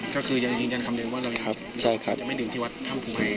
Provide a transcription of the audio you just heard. ก็คือยังยืนยันคำนึงว่าเราจะไม่ดื่มที่วัดถ้ำภู